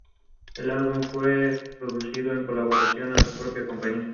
El retablo mayor fue proyectado por Juan Gómez de Mora.